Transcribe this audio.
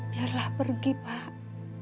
biarlah pergi pak